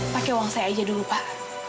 pakai uang saya aja dulu pak